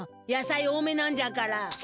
野菜多めなんじゃから。